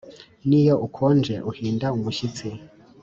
n’iyo ukonje, uhinda umushyitsi